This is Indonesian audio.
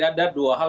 ada dua hal